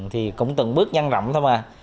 thì cũng từng bước nhanh rộng thôi mà